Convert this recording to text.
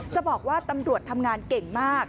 จะบอกว่าตำรวจทำงานเก่งมาก